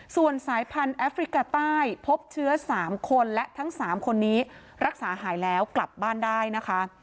ส่วนสายพันธุ์แอฟริกาใต้พบเชื้อ๓คนและทั้ง๓คนนี้รักษาหายแล้วกลับบ้านได้นะคะ